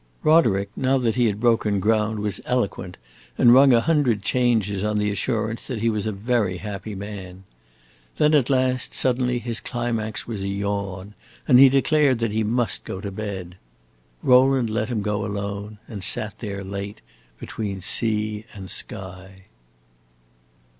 Roderick, now that he had broken ground, was eloquent and rung a hundred changes on the assurance that he was a very happy man. Then at last, suddenly, his climax was a yawn, and he declared that he must go to bed. Rowland let him go alone, and sat there late, between sea and sky.